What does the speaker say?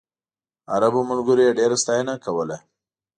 عربو ملګرو یې ډېره ستاینه کوله.